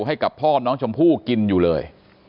ให้กับพ่อน้องชมพู่กินอยู่เลย